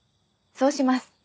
そうします。